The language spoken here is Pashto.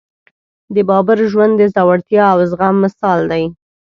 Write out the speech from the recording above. د بابر ژوند د زړورتیا او زغم مثال دی.